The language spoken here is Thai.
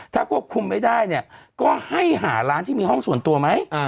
ถ้าควบคุมไม่ได้เนี่ยก็ให้หาร้านที่มีห้องส่วนตัวไหม